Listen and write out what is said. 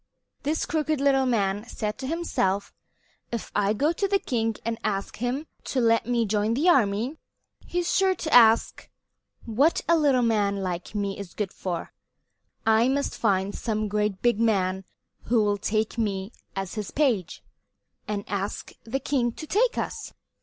This crooked little man said to himself: "If I go to the king and ask him to let me join his army, he's sure to ask what a little man like me is good for. I must find some great big man who will take me as his page, and ask the king to take us."